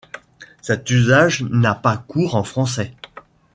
Cet usage n'a pas cours en français.